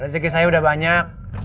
rezeki saya udah banyak